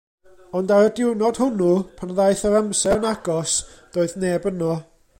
Ond ar y diwrnod hwnnw, pan ddaeth yr amser yn agos, doedd neb yno.